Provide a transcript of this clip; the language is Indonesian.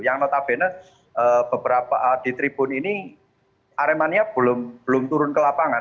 yang notabene beberapa di tribun ini aremania belum turun ke lapangan